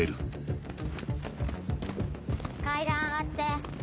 階段上がって。